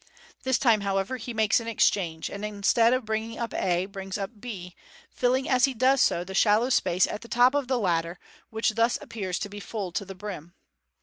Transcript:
This time, however, he makes an exchange, and instead of bringing up A, brings up B, rilling as he does so the shallow space at the top of the latter, which thus appears to be full to the brim.